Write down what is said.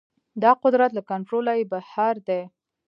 دا قدرت له کنټروله يې بهر دی.